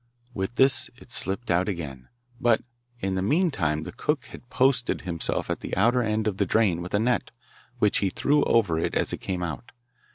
With this it slipped out again, but in the meantime the cook had posted himself at the outer end of the drain with a net, which he threw over it as it came out.